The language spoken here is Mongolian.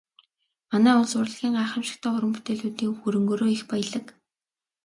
Манай улс урлагийн гайхамшигтай уран бүтээлүүдийн өв хөрөнгөөрөө их баялаг.